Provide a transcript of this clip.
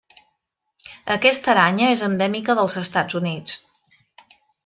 Aquesta aranya és endèmica dels Estats Units.